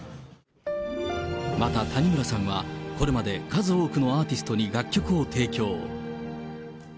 また谷村さんは、これまで数多くのアーティストに楽曲を提供。